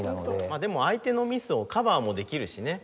まあでも相手のミスをカバーもできるしね。